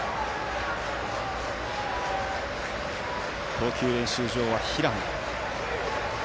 投球練習場は平野。